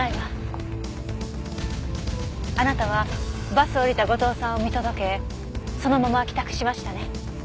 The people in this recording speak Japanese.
あなたはバスを降りた後藤さんを見届けそのまま帰宅しましたね。